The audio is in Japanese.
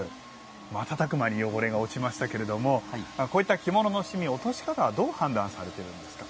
瞬く間に汚れが落ちましたけれどもこういった着物の染み落とし方はどう判断されているんですか。